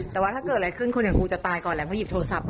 แต่ว่าถ้าเกิดอะไรขึ้นกูจะตายก่อนเลยว่าจะอย่างนั้นไง